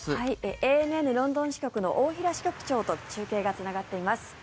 ＡＮＮロンドン支局長の大平支局長と中継がつながっています。